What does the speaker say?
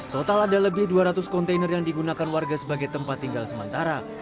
total ada lebih dua ratus kontainer yang digunakan warga sebagai tempat tinggal sementara